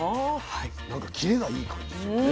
なんかキレがいい感じするね。